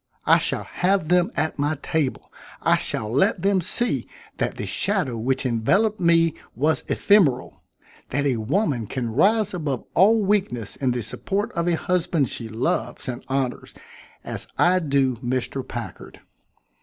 I shall have them at my table I shall let them see that the shadow which enveloped me was ephemeral; that a woman can rise above all weakness in the support of a husband she loves and honors as I do Mr. Packard."